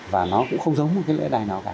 và nó cũng không giống một cái lễ đài nào cả